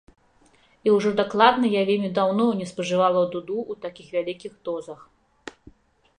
І ўжо дакладна я вельмі даўно не спажывала дуду ў такіх вялікіх дозах.